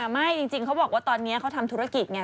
ไม่จริงเขาบอกว่าตอนนี้เขาทำธุรกิจไง